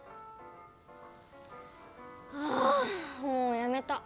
あもうやめた！